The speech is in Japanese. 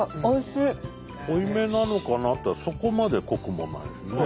濃いめなのかなっつったらそこまで濃くもないんですね。